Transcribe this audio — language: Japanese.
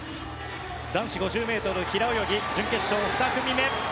男子５０ｍ平泳ぎ準決勝の２組目。